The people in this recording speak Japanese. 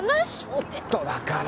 ちょっとだから。